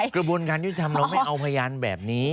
กระบวนการยุทธรรมเราไม่เอาพยานแบบนี้